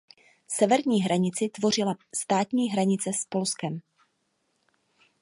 Severní hranici tvořila státní hranice s Polskem.